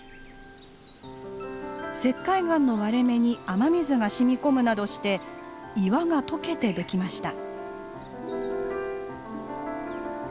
石灰岩の割れ目に雨水がしみ込むなどして岩が溶けてできました。